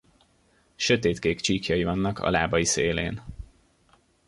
Sötétkék csíkjai vannak a lábai szélén.